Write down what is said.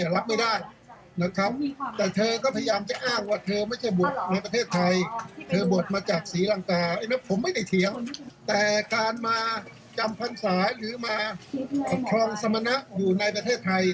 เธอบทมาจากศรีรังกาผมไม่ได้เถียงแต่การมาจำพันธุ์สายหรือมาคลองสมณะอยู่ในประเทศไทย